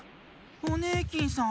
ホネーキンさん。